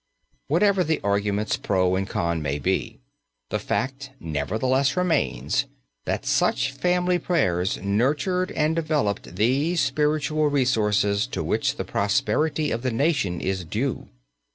Whatever the arguments pro and con may be, the fact nevertheless remains that such family prayers nurtured and developed these spiritual resources to which the prosperity of the nation is due.